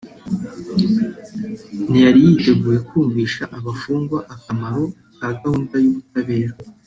ntiyari yiteguye kumvisha abafungwa akamaro ka gahunda y’ubutabera